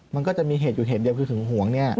มันก็จะมีเหตุอยู่เหตุเดียวคือหึงหวงเนี่ย